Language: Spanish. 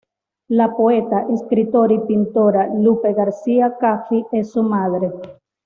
La poeta, escritora y pintora Lupe García Caffi es su madre.